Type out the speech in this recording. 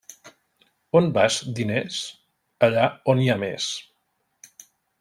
On vas, diners? Allà on n'hi ha més.